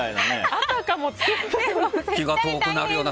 あたかも作ったかのような。